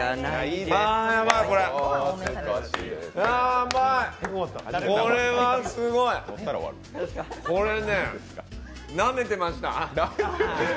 やーばい、これはすごいこれね、なめてました。